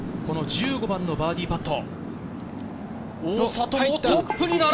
１５番のバーディーパット。